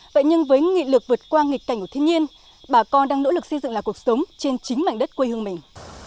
vậy nhưng với nghị lực vượt qua nghịch cảnh của thiên nhiên bà con đang nỗ lực xây dựng lại cuộc sống trên chính mảnh đất quê hương mình